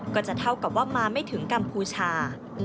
ก็จะเท่ากับว่ามาไม่ถึงกัมพูชา